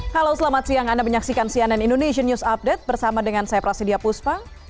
halo selamat siang anda menyaksikan cnn indonesian news update bersama dengan saya prasidya puspa